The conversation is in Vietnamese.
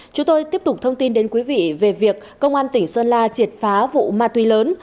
chúng tôi tiếp tục thông tin đến quý vị về việc công an tỉnh sơn la triệt phá vụ ma túy lớn